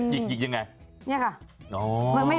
หยิกยังไง